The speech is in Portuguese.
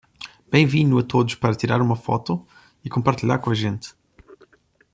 Bem-vindo a todos para tirar uma foto e compartilhar com a gente!